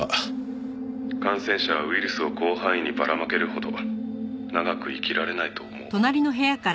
「感染者はウイルスを広範囲にばら撒けるほど長く生きられないと思う」